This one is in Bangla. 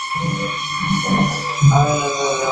এটা দম বন্ধ করে ফেলছে তোমার, টের পাচ্ছ না?